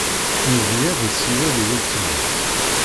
Yugi ad isiwel i weltma-s.